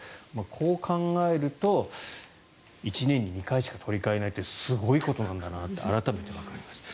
こう考えると１年に２回しか取り換えないってすごいことなんだなって改めてわかります。